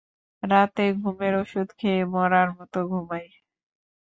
রাতে ঘুমের ওষুধ খেয়ে মড়ার মতো ঘুমাই।